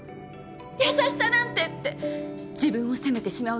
優しさなんて！って自分を責めてしまうような。